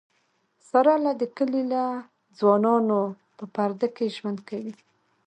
ساره له د کلي له ځوانانونه په پرده کې ژوند کوي.